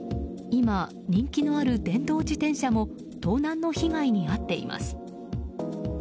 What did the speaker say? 今、人気のある電動自転車も盗難の被害に合っています。